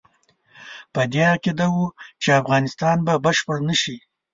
په دې عقیده وو چې افغانستان به بشپړ نه شي.